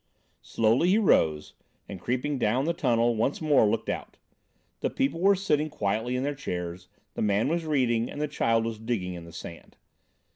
Slowly he rose and, creeping down the tunnel, once more looked out. The people were sitting quietly in their chairs, the man was reading, and the child was digging in the sand.